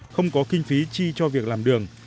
không có kinh phí chi cho việc làm đường